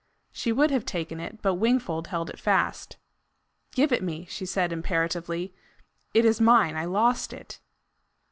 She would have taken it, but Wingfold held it fast. "Give it me," she said imperatively. "It is mine. I lost it."